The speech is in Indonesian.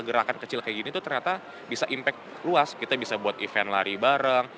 gerakan kecil kayak gini tuh ternyata bisa impact luas kita bisa buat event lari bareng